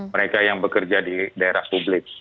mereka yang bekerja di daerah publik